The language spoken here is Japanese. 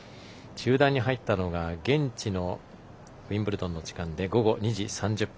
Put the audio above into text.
中断に入ったのが現地のウィンブルドンの時間で午後２時３０分。